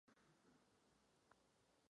Toto není případ Mugabeho Zimbabwe.